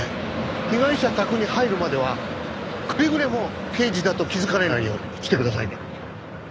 被害者宅に入るまではくれぐれも刑事だと気づかれないようにしてくださいね。